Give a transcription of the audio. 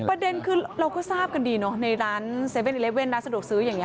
ประเด็นคือเราก็ทราบกันดีเนอะในร้าน๗๑๑ร้านสะดวกซื้ออย่างนี้